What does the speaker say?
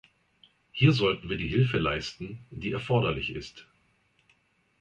Hier sollten wir die Hilfe leisten, die erforderlich ist.